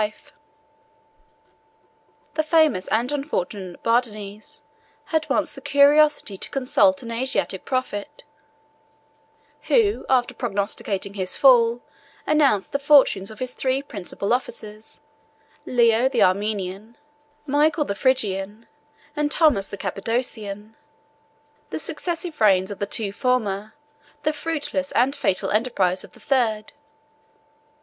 ] A rebel, in the time of Nicephorus, the famous and unfortunate Bardanes, had once the curiosity to consult an Asiatic prophet, who, after prognosticating his fall, announced the fortunes of his three principal officers, Leo the Armenian, Michael the Phrygian, and Thomas the Cappadocian, the successive reigns of the two former, the fruitless and fatal enterprise of the third.